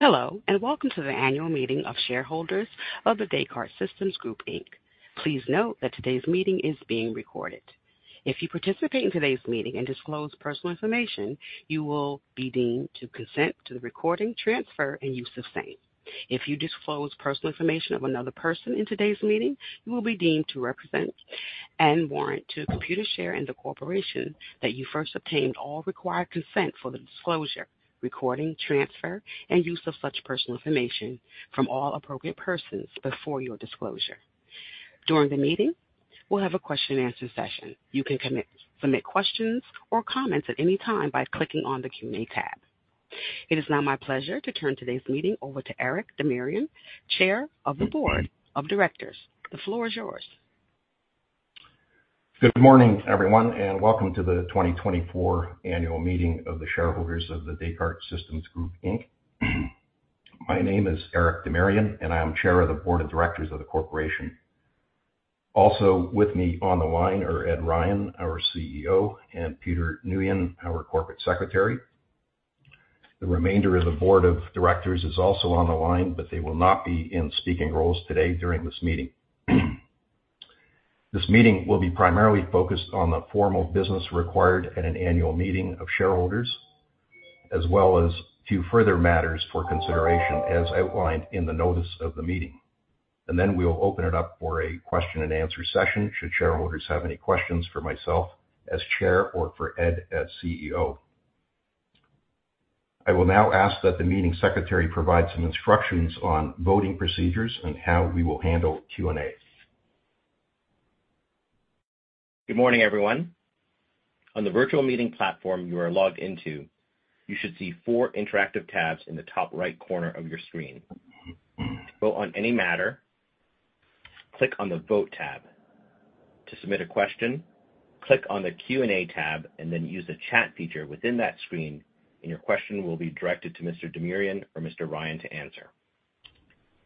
Hello, and welcome to the annual meeting of shareholders of the Descartes Systems Group, Inc. Please note that today's meeting is being recorded. If you participate in today's meeting and disclose personal information, you will be deemed to consent to the recording, transfer, and use of same. If you disclose personal information of another person in today's meeting, you will be deemed to represent and warrant to Computershare and the corporation that you first obtained all required consent for the disclosure, recording, transfer, and use of such personal information from all appropriate persons before your disclosure. During the meeting, we'll have a question-and-answer session. You can submit questions or comments at any time by clicking on the Q&A tab. It is now my pleasure to turn today's meeting over to Eric Demirian, Chair of the Board of Directors. The floor is yours. Good morning, everyone, and welcome to the 2024 annual meeting of the shareholders of The Descartes Systems Group Inc. My name is Eric Demirian, and I am Chair of the Board of Directors of the corporation. Also with me on the line are Ed Ryan, our CEO, and Peter Nguyen, our Corporate Secretary. The remainder of the board of directors is also on the line, but they will not be in speaking roles today during this meeting. This meeting will be primarily focused on the formal business required at an annual meeting of shareholders, as well as a few further matters for consideration, as outlined in the notice of the meeting. And then we'll open it up for a question-and-answer session should shareholders have any questions for myself as Chair or for Ed as CEO. I will now ask that the meeting secretary provide some instructions on voting procedures and how we will handle Q&A. Good morning, everyone. On the virtual meeting platform you are logged into, you should see four interactive tabs in the top right corner of your screen. To vote on any matter, click on the Vote tab. To submit a question, click on the Q&A tab and then use the chat feature within that screen, and your question will be directed to Mr. Demirian or Mr. Ryan to answer.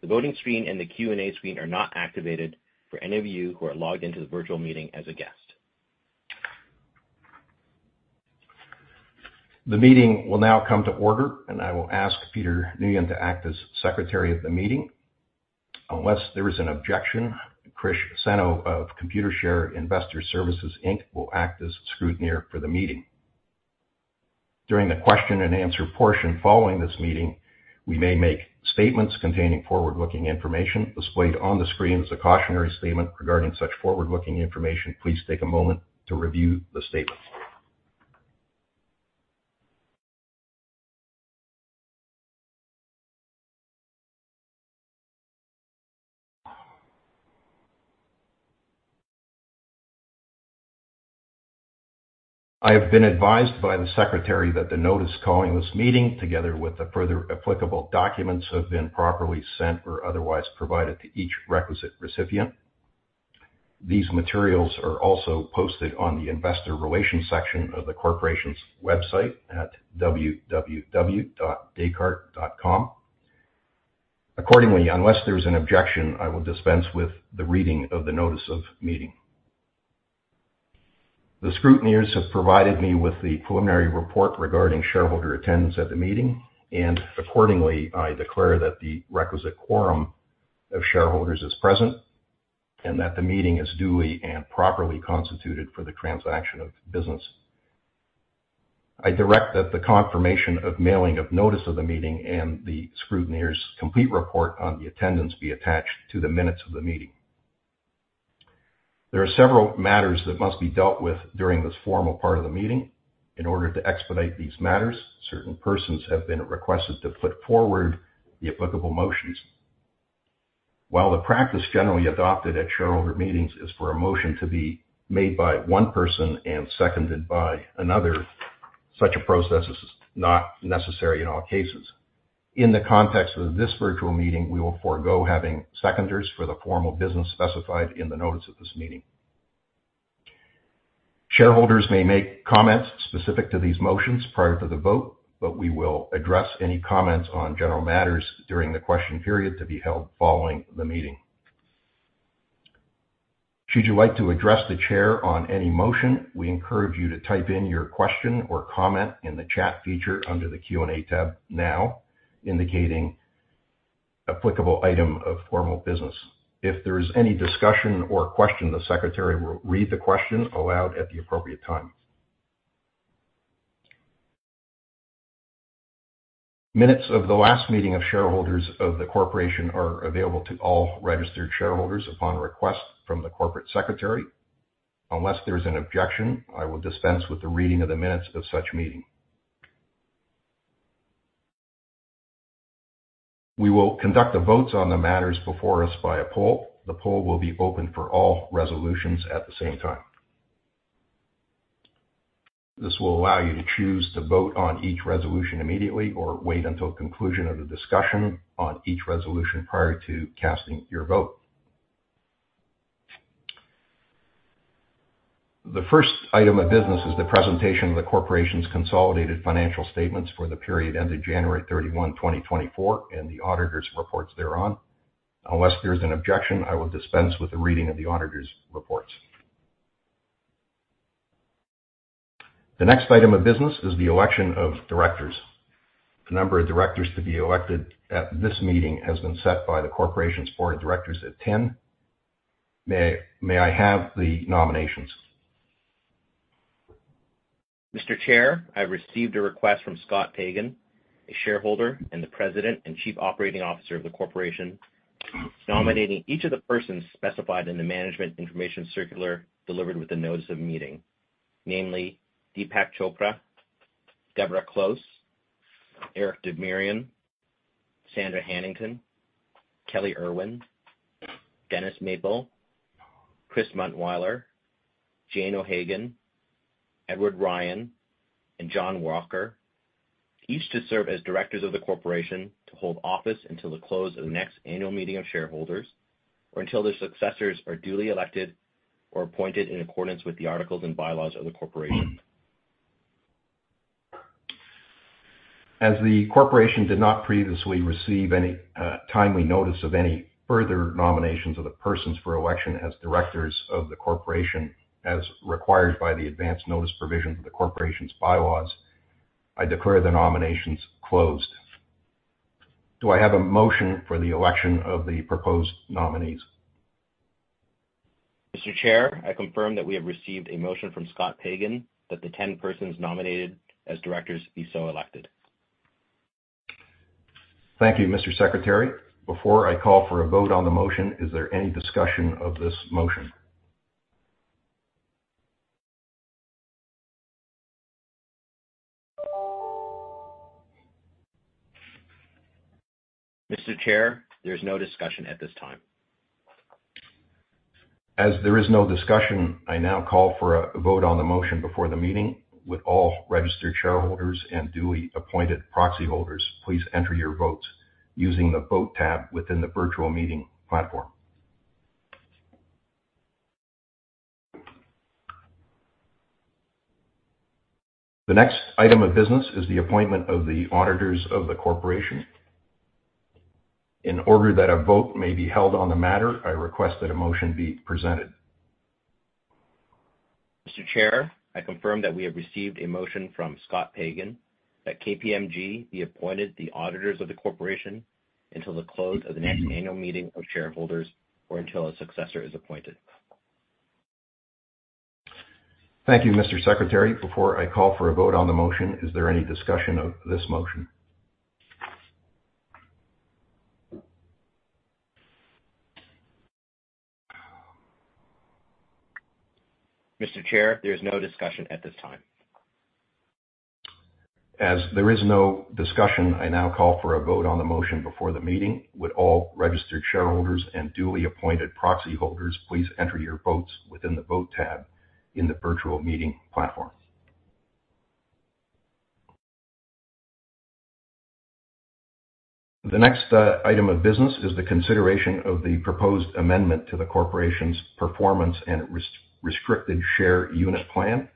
The voting screen and the Q&A screen are not activated for any of you who are logged into the virtual meeting as a guest. The meeting will now come to order, and I will ask Peter Nguyen to act as secretary of the meeting. Unless there is an objection, Chris Zinou of Computershare Investor Services Inc. will act as scrutineer for the meeting. During the question-and-answer portion following this meeting, we may make statements containing forward-looking information. Displayed on the screen is a cautionary statement regarding such forward-looking information. Please take a moment to review the statement. I have been advised by the secretary that the notice calling this meeting, together with the further applicable documents, have been properly sent or otherwise provided to each requisite recipient. These materials are also posted on the investor relations section of the corporation's website at www.descartes.com. Accordingly, unless there is an objection, I will dispense with the reading of the notice of meeting. The scrutineers have provided me with the preliminary report regarding shareholder attendance at the meeting, and accordingly, I declare that the requisite quorum of shareholders is present and that the meeting is duly and properly constituted for the transaction of business. I direct that the confirmation of mailing of notice of the meeting and the scrutineer's complete report on the attendance be attached to the minutes of the meeting. There are several matters that must be dealt with during this formal part of the meeting. In order to expedite these matters, certain persons have been requested to put forward the applicable motions. While the practice generally adopted at shareholder meetings is for a motion to be made by one person and seconded by another, such a process is not necessary in all cases. In the context of this virtual meeting, we will forego having seconders for the formal business specified in the notice of this meeting. Shareholders may make comments specific to these motions prior to the vote, but we will address any comments on general matters during the question period to be held following the meeting. Should you like to address the chair on any motion, we encourage you to type in your question or comment in the chat feature under the Q&A tab now, indicating applicable item of formal business. If there is any discussion or question, the secretary will read the question aloud at the appropriate time. Minutes of the last meeting of shareholders of the corporation are available to all registered shareholders upon request from the corporate secretary. Unless there is an objection, I will dispense with the reading of the minutes of such meeting. We will conduct the votes on the matters before us by a poll. The poll will be open for all resolutions at the same time. This will allow you to choose to vote on each resolution immediately or wait until conclusion of the discussion on each resolution prior to casting your vote. The first item of business is the presentation of the corporation's consolidated financial statements for the period ended January 31, 2024, and the auditor's reports thereon. Unless there is an objection, I will dispense with the reading of the auditor's reports. The next item of business is the election of directors. The number of directors to be elected at this meeting has been set by the corporation's board of directors at 10. May I have the nominations? Mr. Chair, I received a request from Scott Pagan, a shareholder and the president and chief operating officer of the corporation, nominating each of the persons specified in the management information circular delivered with the notice of meeting, namely Deepak Chopra, Deborah Close, Eric Demirian, Sandra Hanington, Kelley Irwin, Dennis Maple, Chris Muntwyler, Jane O'Hagan, Edward Ryan, and John Walker, each to serve as directors of the corporation to hold office until the close of the next annual meeting of shareholders or until their successors are duly elected or appointed in accordance with the articles and bylaws of the corporation. As the corporation did not previously receive any timely notice of any further nominations of the persons for election as directors of the corporation, as required by the advanced notice provision of the corporation's bylaws, I declare the nominations closed. Do I have a motion for the election of the proposed nominees? Mr. Chair, I confirm that we have received a motion from Scott Pagan that the 10 persons nominated as directors be so elected. Thank you, Mr. Secretary. Before I call for a vote on the motion, is there any discussion of this motion? Mr. Chair, there is no discussion at this time. As there is no discussion, I now call for a vote on the motion before the meeting with all registered shareholders and duly appointed proxy holders. Please enter your votes using the Vote tab within the virtual meeting platform. The next item of business is the appointment of the auditors of the corporation. In order that a vote may be held on the matter, I request that a motion be presented. Mr. Chair, I confirm that we have received a motion from Scott Pagan that KPMG be appointed the auditors of the corporation until the close of the next annual meeting of shareholders or until a successor is appointed. Thank you, Mr. Secretary. Before I call for a vote on the motion, is there any discussion of this motion? Mr. Chair, there is no discussion at this time. As there is no discussion, I now call for a vote on the motion before the meeting with all registered shareholders and duly appointed proxy holders. Please enter your votes within the Vote tab in the virtual meeting platform. The next item of business is the consideration of the proposed amendment to the corporation's Performance and Restricted Share Unit Plan.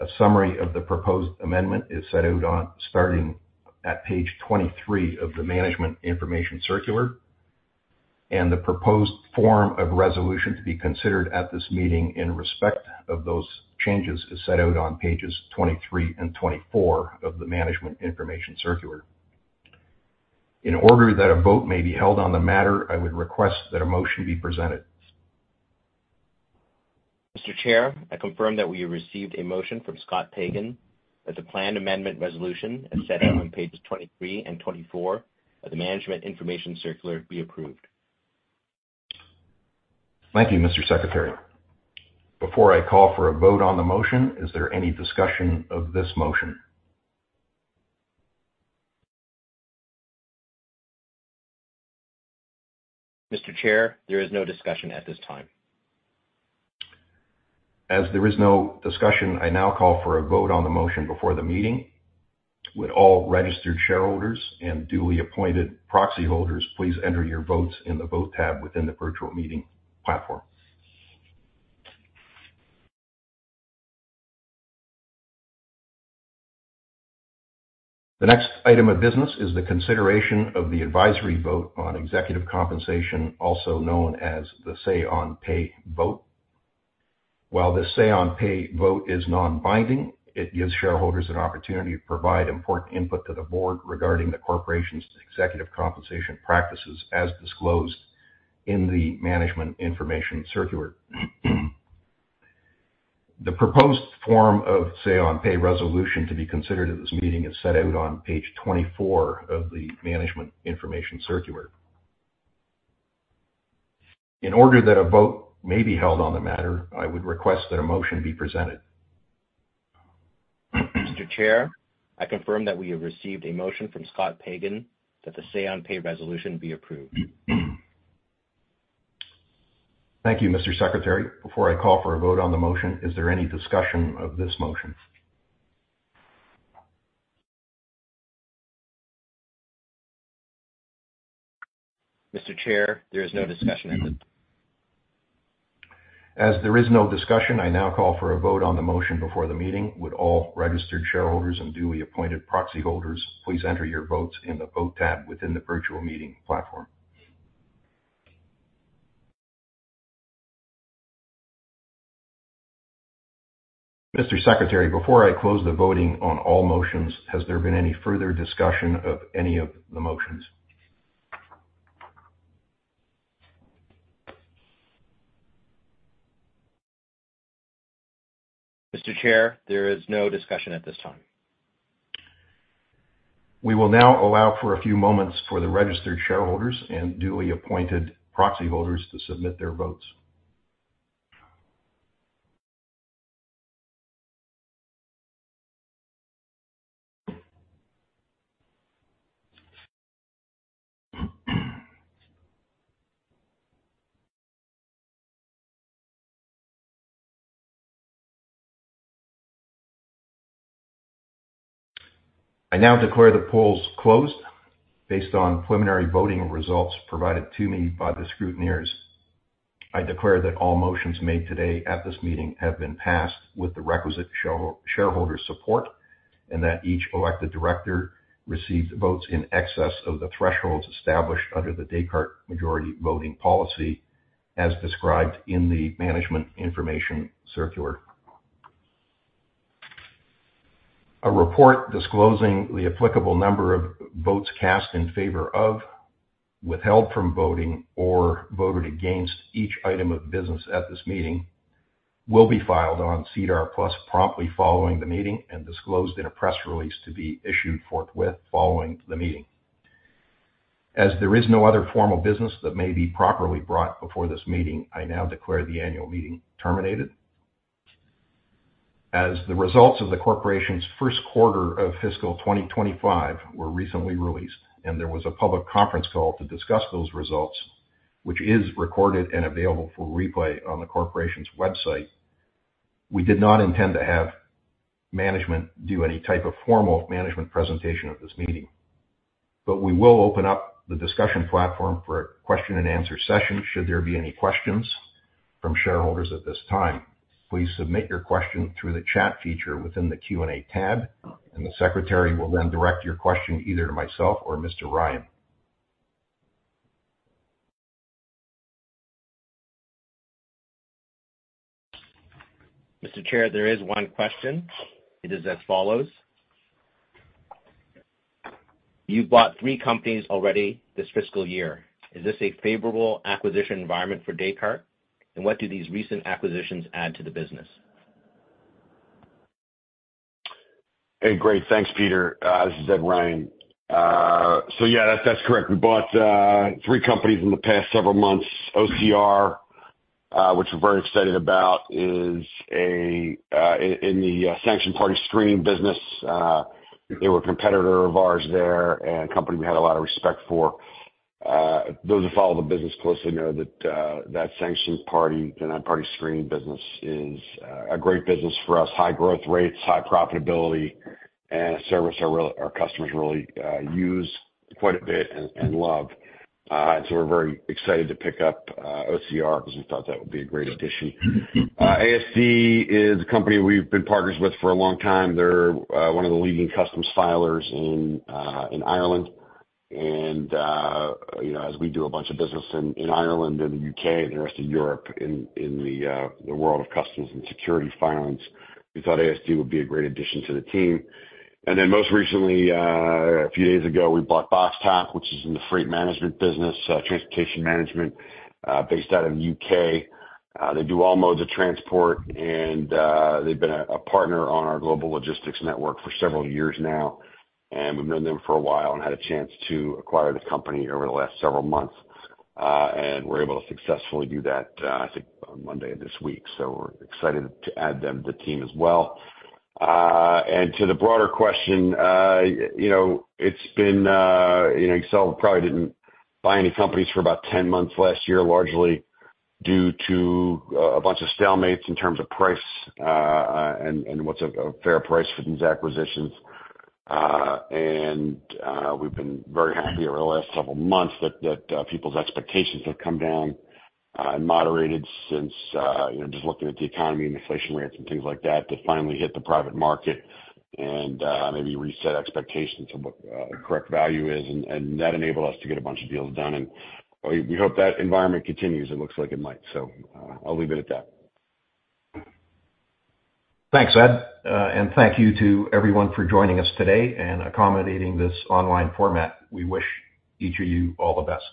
A summary of the proposed amendment is set out starting at page 23 of the Management Information Circular, and the proposed form of resolution to be considered at this meeting in respect of those changes is set out on pages 23 and 24 of the Management Information Circular. In order that a vote may be held on the matter, I would request that a motion be presented. Mr. Chair, I confirm that we have received a motion from Scott Pagan that the planned amendment resolution is set out on pages 23 and 24 of the Management Information Circular be approved. Thank you, Mr. Secretary. Before I call for a vote on the motion, is there any discussion of this motion? Mr. Chair, there is no discussion at this time. As there is no discussion, I now call for a vote on the motion before the meeting with all registered shareholders and duly appointed proxy holders. Please enter your votes in the Vote tab within the virtual meeting platform. The next item of business is the consideration of the advisory vote on executive compensation, also known as the say-on-pay vote. While the say-on-pay vote is non-binding, it gives shareholders an opportunity to provide important input to the board regarding the corporation's executive compensation practices as disclosed in the management information circular. The proposed form of say-on-pay resolution to be considered at this meeting is set out on page 24 of the management information circular. In order that a vote may be held on the matter, I would request that a motion be presented. Mr. Chair, I confirm that we have received a motion from Scott Pagan that the say-on-pay resolution be approved. Thank you, Mr. Secretary. Before I call for a vote on the motion, is there any discussion of this motion? Mr. Chair, there is no discussion at this time. As there is no discussion, I now call for a vote on the motion before the meeting with all registered shareholders and duly appointed proxy holders. Please enter your votes in the Vote tab within the virtual meeting platform. Mr. Secretary, before I close the voting on all motions, has there been any further discussion of any of the motions? Mr. Chair, there is no discussion at this time. We will now allow for a few moments for the registered shareholders and duly appointed proxy holders to submit their votes. I now declare the polls closed based on preliminary voting results provided to me by the scrutineers. I declare that all motions made today at this meeting have been passed with the requisite shareholder support and that each elected director received votes in excess of the thresholds established under the Descartes Majority Voting Policy as described in the Management Information Circular. A report disclosing the applicable number of votes cast in favor of, withheld from voting, or voted against each item of business at this meeting will be filed on SEDAR+ promptly following the meeting and disclosed in a press release to be issued forthwith following the meeting. As there is no other formal business that may be properly brought before this meeting, I now declare the annual meeting terminated. As the results of the corporation's first quarter of Fiscal 2025 were recently released and there was a public conference call to discuss those results, which is recorded and available for replay on the corporation's website, we did not intend to have management do any type of formal management presentation of this meeting. But we will open up the discussion platform for a question-and-answer session should there be any questions from shareholders at this time. Please submit your question through the chat feature within the Q&A tab, and the secretary will then direct your question either to myself or Mr. Ryan. Mr. Chair, there is one question. It is as follows. You bought three companies already this fiscal year. Is this a favorable acquisition environment for Descartes? And what do these recent acquisitions add to the business? Hey, great. Thanks, Peter. This is Ed Ryan. So yeah, that's correct. We bought three companies in the past several months. OCR, which we're very excited about, is in the sanctioned party screening business. They were a competitor of ours there and a company we had a lot of respect for. Those who follow the business closely know that that sanctioned party and that party screening business is a great business for us. High growth rates, high profitability, and a service our customers really use quite a bit and love. And so we're very excited to pick up OCR because we thought that would be a great addition. ASD is a company we've been partners with for a long time. They're one of the leading customs filers in Ireland. As we do a bunch of business in Ireland, in the UK, and the rest of Europe in the world of customs and security filings, we thought ASD would be a great addition to the team. And then most recently, a few days ago, we bought BoxTop, which is in the freight management business, transportation management based out of the UK. They do all modes of transport, and they've been a partner on our Global Logistics Network for several years now. And we've known them for a while and had a chance to acquire the company over the last several months. And we're able to successfully do that, I think, on Monday of this week. So we're excited to add them to the team as well. To the broader question, it's been a while. We probably didn't buy any companies for about 10 months last year, largely due to a bunch of stalemates in terms of price and what's a fair price for these acquisitions. We've been very happy over the last several months that people's expectations have come down and moderated since just looking at the economy and inflation rates and things like that to finally hit the private market and maybe reset expectations of what the correct value is. That enabled us to get a bunch of deals done. We hope that environment continues. It looks like it might. I'll leave it at that. Thanks, Ed. Thank you to everyone for joining us today and accommodating this online format. We wish each of you all the best.